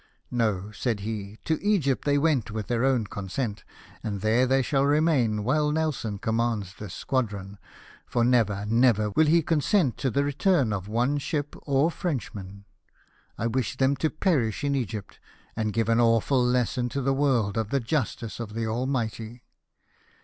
"No," said he, "to Egypt they went with their own consent, and there they shall remain while Nelson commands this squadron, for never, never, will he consent to the return of one ship or Frenchman. I wish them to perish in Egypt, and give an awful lesson to the world of the justice of the Almighty."